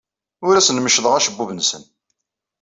Ur asen-meccḍeɣ acebbub-nsen.